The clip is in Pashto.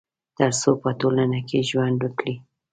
تر څو په ټولنه کي ژوند وکړي